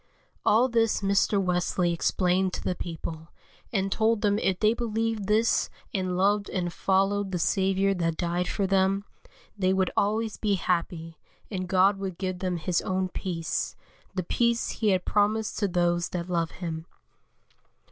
All this Mr. Wesley explained to the people, and told them if they believed this and loved and followed the Saviour that died for them, they would always be happy, and God would give them His own peace, the peace He has promised to those that love Him.